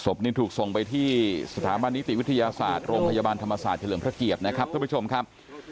นี้ถูกส่งไปที่สถาบันนิติวิทยาศาสตร์โรงพยาบาลธรรมศาสตร์เฉลิมพระเกียรตินะครับท่านผู้ชมครับ